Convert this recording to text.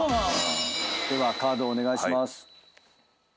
ではカードをお願いします。